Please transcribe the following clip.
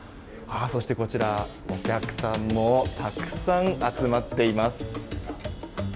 そしてこちら、お客さんもたくさん集まっています。